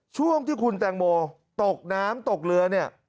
ช่วงที่คุณแตงโมตกน้ำตกเรือเนี่ย